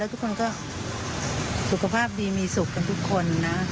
ทุกคนก็สุขภาพดีมีสุขกันทุกคนนะ